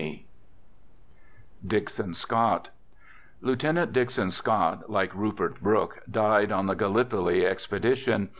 Digitized by DIXON SCOTT Lieutenant Dixon Scott, like Rupert Brooke, died on the Gallipoli expedition.